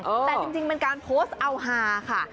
แต่จริงเป็นการโพสต์เอาฮาค่ะ